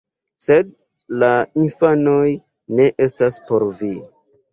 Sed la infanoj ne estas por vi